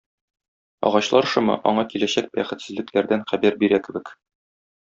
Агачлар шомы аңа киләчәк бәхетсезлекләрдән хәбәр бирә кебек.